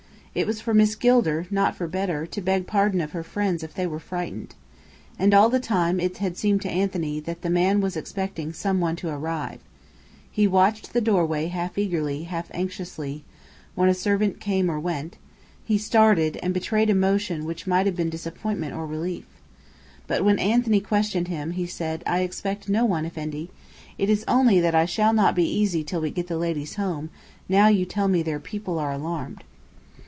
It was for Miss Gilder, not for Bedr, to beg pardon of her friends if they were frightened. And all the time, it had seemed to Anthony, that the man was expecting some one to arrive. He watched the doorway half eagerly, half anxiously; when a servant came or went, he started, and betrayed emotion which might have been disappointment or relief. But when Anthony questioned him, he said, "I expect no one, Effendi. It is only that I shall not be easy till we get the ladies home, now you tell me their people are alarmed."